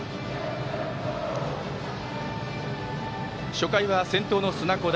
初回は先頭の砂子田